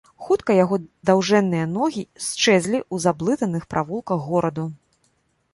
Хутка яго даўжэнныя ногі счэзлі ў заблытаных правулках гораду.